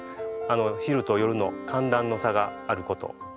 昼と夜の寒暖の差があること。